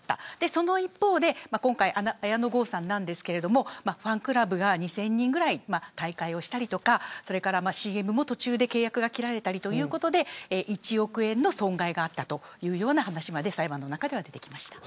その一方で今回、綾野剛さんなんですがファンクラブが２０００人ぐらい退会したりＣＭも途中で契約が切られたりということで１億円の損害があったというような話まで裁判の中では出てきました。